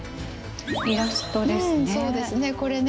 イラストですね。